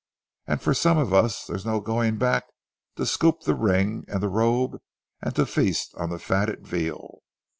And for some of us there's no going back to scoop the ring and the robe and to feast on the fatted veal....